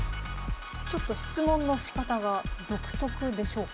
ちょっと質問のしかたが独特でしょうか？